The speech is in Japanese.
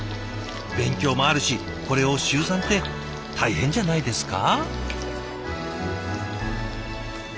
勉強もあるしこれを週３って大変じゃないですか？